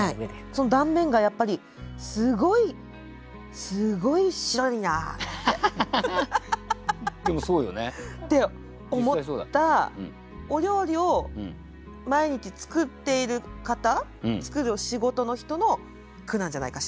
その断面がやっぱりでもそうよね。って思ったお料理を毎日作っている方作る仕事の人の句なんじゃないかしら。